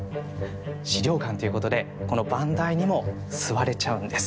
資料館ということでこの番台にも座れちゃうんです。